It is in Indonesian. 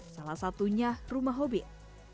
salah satunya rumah hobbit